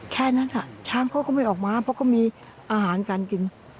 แค่นั้นช้างเขาก็ไม่ออกมาเพราะเขามีอาหารการกิน